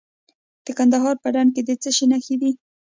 د کندهار په ډنډ کې د څه شي نښې دي؟